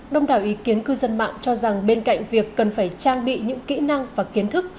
đông đảo ý kiến cư dân mạng cho rằng bên cạnh việc cần phải trang bị những kỹ năng và kiến thức